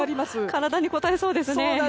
体にこたえそうですね。